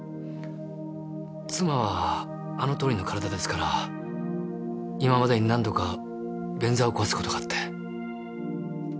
妻はあのとおりの体ですから今までに何度か便座を壊す事があって。